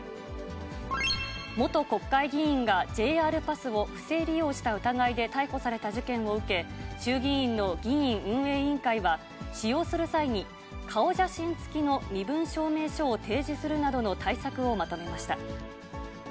元国会議員がＪＲパスを不正利用した疑いで逮捕された事件を受け、衆議院の議院運営委員会は、使用する際に、顔写真付きの身分証明書を提示するなどの対策をまとめました。